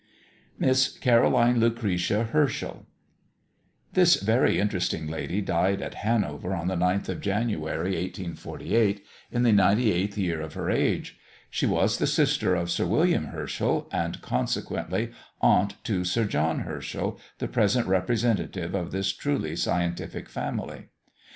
MISS CAROLINE LUCRETIA HERSCHEL. This very interesting lady died at Hanover on the 9th of January, 1848, in the 98th year of her age. She was the sister of Sir William Herschel; and consequently, aunt to Sir John Herschel, the present representative of this truly scientific family.